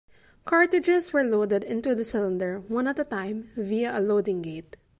Cartridges were loaded into the cylinder one at a time via a loading gate.